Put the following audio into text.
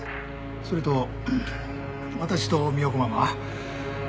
それと私と三代子ママは。